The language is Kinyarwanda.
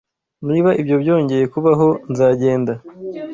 Niba ibyo byongeye kubaho, nzagenda.